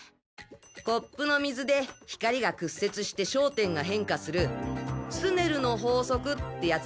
コップの水で光が屈折して焦点が変化するスネルの法則ってやつだ。